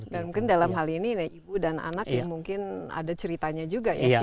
dan mungkin dalam hal ini ibu dan anak mungkin ada ceritanya juga ya